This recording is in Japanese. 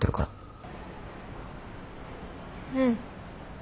うん。